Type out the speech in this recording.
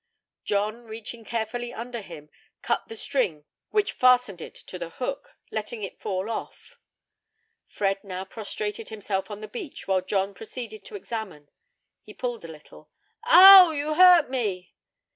John, reaching carefully under him, cut the string which fastened it to the hook, letting it fall off. Fred now prostrated himself on the beach, while John proceeded to examine; he pulled a little. "O w w! you hurt me!"